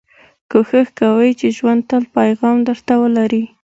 کوښښ کوئ، چي ژوند تل پیغام در ته ولري.